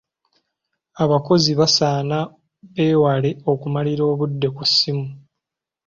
Abakozi basaana beewale okumalira obudde ku ssimu.